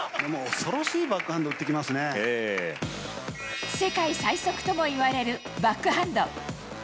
恐ろしいバックハンド打って世界最速ともいわれるバックハンド。